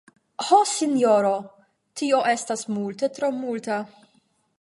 Ho, sinjoro, tio estas multe tro multa.